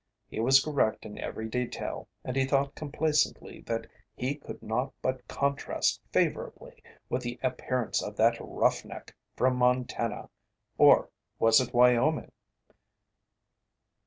He was correct in every detail and he thought complacently that he could not but contrast favourably with the appearance of that "roughneck" from Montana or was it Wyoming?